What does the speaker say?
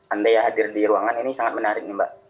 andai hadir di ruangan ini sangat menarik nih mbak